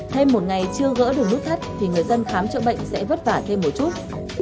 thêm một ngày chưa gỡ được nút thắt thì người dân khám chữa bệnh sẽ vất vả thêm một chút